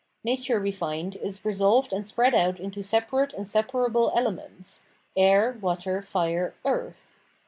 Nature, we find, is resolved and spread out into separate and separable elements — air, water, fire, earth.